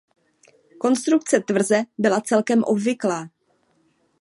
Konstrukce tvrze byla celkem obvyklá.